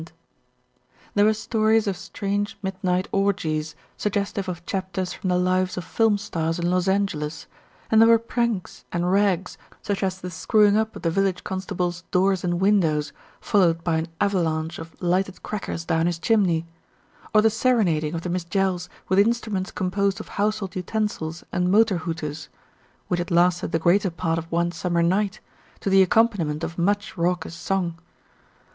142 THE RETURN OF ALFRED There were stories of strange midnight orgies, sug gestive of chapters from the lives of film stars in Los Angeles, and there were pranks and "rags," such as the screwing up of the village constable's doors and windows, followed by an avalanche of lighted crackers down his chimney; or the serenading of the Miss Jells with instruments composed of household utensils and motor hooters, which had lasted the greater part of one summer night, to the accompaniment of much raucous song.